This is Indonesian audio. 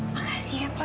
makasih ya pa